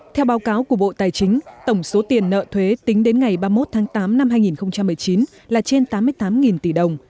theo báo cáo của bộ tài chính tổng số tiền nợ thuế tính đến ngày ba mươi một tháng tám năm hai nghìn một mươi chín là trên tám mươi tám tỷ đồng